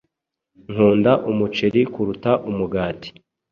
Nkunda umuceri kuruta umugati.